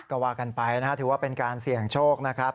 ก็ว่ากันไปนะฮะถือว่าเป็นการเสี่ยงโชคนะครับ